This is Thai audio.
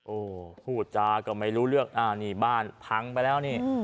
โอ้โหพูดจาก็ไม่รู้เรื่องอ่านี่บ้านพังไปแล้วนี่